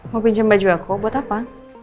mau pinjam baju aku buat apa